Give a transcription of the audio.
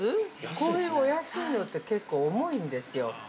こういうお安いのって結構重いんですよ。